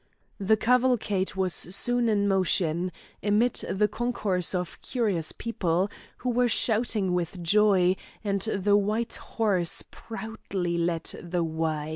The cavalcade was soon in motion, amid the concourse of curious people, who were shouting with joy, and the white horse proudly led the way.